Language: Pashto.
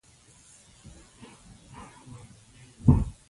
بغداد ته ورسېدلو.